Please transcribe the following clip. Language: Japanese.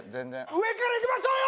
上からいきましょうよ！！